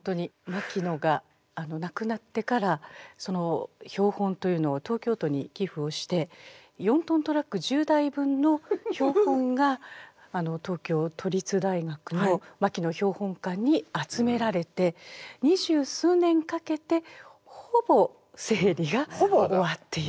牧野が亡くなってから標本というのを東京都に寄付をして４ｔトラック１０台分の標本が東京都立大学の牧野標本館に集められて二十数年かけてほぼ整理が終わっているという。